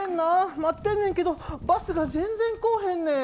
待ってんねんけどバスが全然来おへんねん。